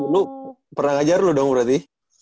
lu pernah ngajar lo dong berarti